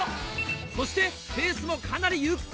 そしてペースもかなりゆっくりか？